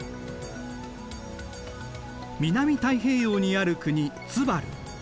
南太平洋にある国ツバル。